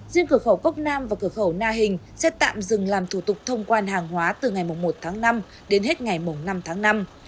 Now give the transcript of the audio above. riêng cửa khẩu cốc nam và cửa khẩu na hình sẽ tạm dừng làm thủ tục thông quan hàng hóa từ ngày một tháng năm đến hết ngày năm tháng năm